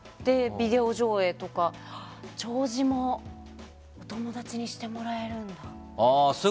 ビデオ上映とか弔辞もお友達にしてもらえるんだ。